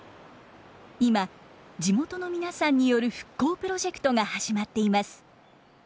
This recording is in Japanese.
今地元の皆さんによる復興プロジェクトが始まっています。